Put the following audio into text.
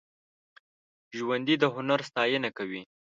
ژوندي د هنر ستاینه کوي